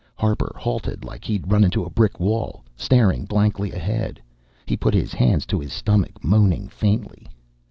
Harper halted like he'd run into a brick wall. Staring blankly ahead, he put his hands to his stomach, moaning faintly.